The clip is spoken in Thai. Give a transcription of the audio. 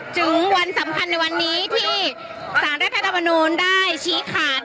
ถึงวันสำคัญในวันนี้ที่สารรัฐธรรมนูลได้ชี้ขาด